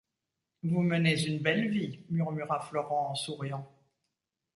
Vous menez une belle vie, murmura Florent en souriant.